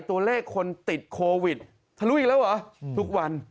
ตัวเลขคนติดโควิดทะลุอีกแล้วเหรอทุกวัน